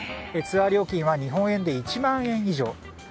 ツアー料金は日本円で１万円以上。